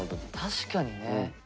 確かにね。